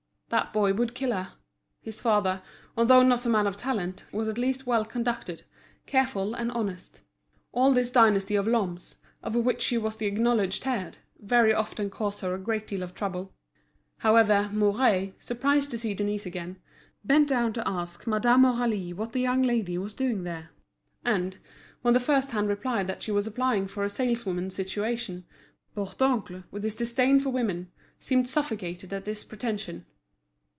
That boy would kill her; his father, although not a man of talent, was at least well conducted, careful, and honest. All this dynasty of Lhommes, of which she was the acknowledged head, very often caused her a great deal of trouble. However, Mouret, surprised to see Denise again, bent down to ask Madame Aurélie what the young lady was doing there; and, when the first hand replied that she was applying for a saleswoman's situation, Bourdoncle, with his disdain for women, seemed suffocated at this pretension.